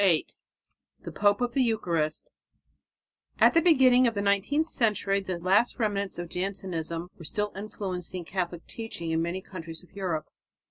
VIII THE POPE OF THE EUCHARIST At the beginning of the nineteenth century the last remnants of Jansenism were still influencing Catholic teaching in many countries of Europe.